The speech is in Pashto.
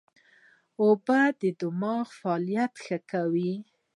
اوبه د دماغ فعالیت ښه کوي